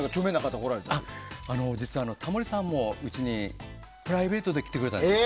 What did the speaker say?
実はタモリさんもうちにプライベートで来てくれたんですよ。